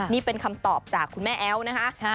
นี่เป็นคำตอบจากคุณแม่แอ๊วนะคะ